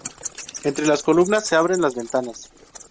Entre las columnas se abren las ventanas.